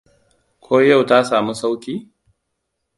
Ko yau ta saamu sauki?